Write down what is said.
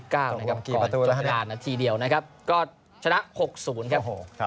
ก่อนจุดลาดนาทีเดียวนะครับก็ชนะ๖๐ครับ